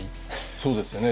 そうですよね